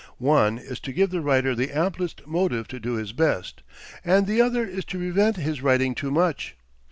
One is, to give the writer the amplest motive to do his best; and the other is, to prevent his writing too much.